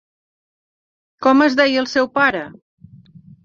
Com es deia el seu pare?